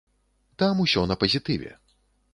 Там усё на пазітыве.